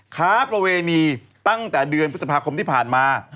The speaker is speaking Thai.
ค้าประเวณีตั้งแต่เดือนพฤษภาคมที่ผ่านมา